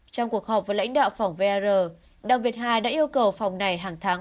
trong cuộc họp với lãnh đạo phòng vr đặng việt hà đã yêu cầu phòng này hàng tháng